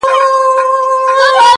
دې کوترو ته ورخلاصه لو فضا وه -